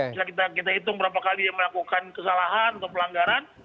kita hitung berapa kali yang melakukan kesalahan atau pelanggaran